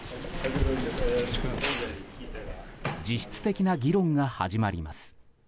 実質的な議論が始まります。